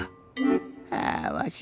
あわし